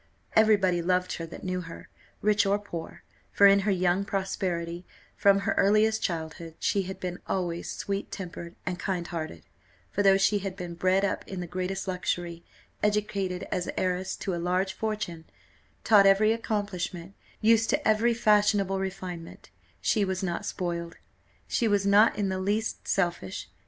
Every body loved her that knew her, rich or poor, for in her young prosperity, from her earliest childhood, she had been always sweet tempered and kind hearted; for though she had been bred up in the greatest luxury, educated as heiress to a large fortune, taught every accomplishment, used to every fashionable refinement, she was not spoiled she was not in the least selfish.